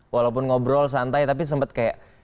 walaupun ngobrol santai tapi sempet kayak